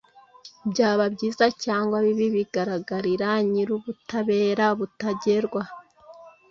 byaba byiza cyangwa bibi bigaragarira Nyir’ubutabera butagerwa.